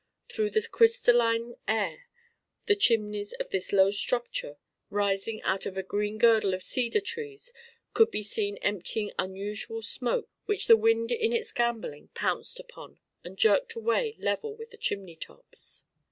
Through the crystalline air the chimneys of this low structure, rising out of a green girdle of cedar trees, could be seen emptying unusual smoke which the wind in its gambolling pounced upon and jerked away level with the chimney tops.